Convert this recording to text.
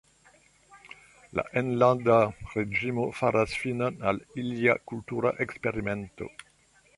La enlanda reĝimo faras finon al ilia kultura eksperimento.